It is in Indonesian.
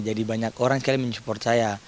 jadi banyak orang sekali men support saya